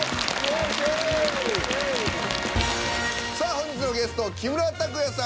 さあ本日のゲスト木村拓哉さん